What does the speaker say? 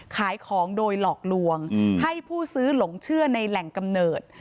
ขายของโดยหลอกลวงให้ผู้ซื้อหลงเชื่อในแหล่งกำเนิด